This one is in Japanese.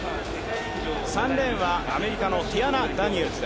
３レーンはアメリカのティアナ・ダニエルズ。